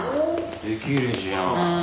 できるじゃん。